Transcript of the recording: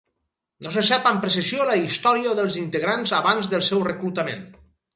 No se sap amb precisió la història dels integrants abans del seu reclutament.